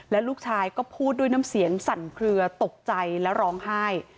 และลูกชายก็พูดด้วยน้ำเสียงสั่นเคลือตกใจและร้องไห้